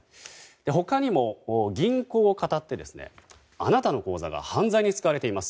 他にも銀行をかたってあなたの口座が犯罪に使われています。